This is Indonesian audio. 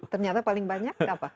ternyata paling banyak apa